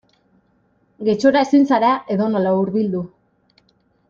Getxora ezin zara edonola hurbildu.